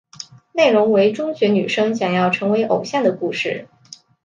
内容为中学女生想要成为偶像的故事。